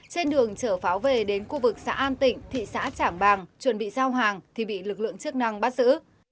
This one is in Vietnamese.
trên đường chở pháo về đến khu vực xã an tịnh thị xã trảng bàng chuẩn bị giao hàng thì bị lực lượng chức năng bắt giữ